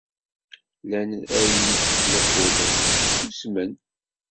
Llan la iyi-d-ttmuqqulen, susmen.